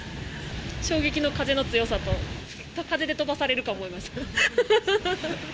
衝撃の風の強さと、風で飛ばされるかと思いました。